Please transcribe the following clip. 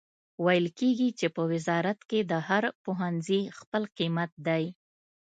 ویل کیږي چې په وزارت کې د هر پوهنځي خپل قیمت دی